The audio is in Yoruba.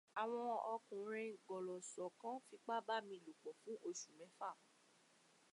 Àwọn ọkùnrin gọ̀lọ̀ṣọ̀ kan fipá bá mi lòpò fún oṣù mẹ́fà.